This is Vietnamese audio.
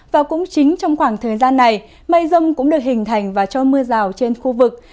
và cũng chính trong khoảng thời gian này mây rông cũng được hình thành và cho mưa rào trên khu vực